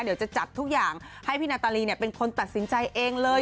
เดี๋ยวจะจัดทุกอย่างให้พี่นาตาลีเป็นคนตัดสินใจเองเลย